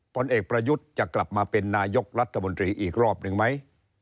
ผลเอกประยุทธ์จะกลับมาเป็นนายกรัฐมนตรีอีกรอบหนึ่งไหม